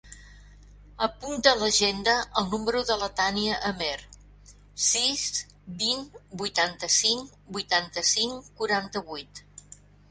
Apunta a l'agenda el número de la Tània Amer: sis, vint, vuitanta-cinc, vuitanta-cinc, quaranta-vuit.